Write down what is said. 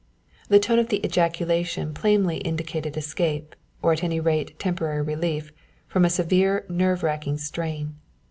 The tone of the ejaculation plainly indicated escape, or at any rate temporary relief from a severe nerve racking strain.